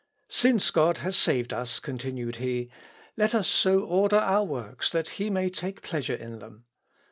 "Since God has saved us," continues he, "let us so order our works that he may take pleasure in them.